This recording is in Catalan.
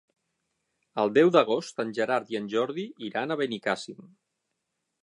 El deu d'agost en Gerard i en Jordi iran a Benicàssim.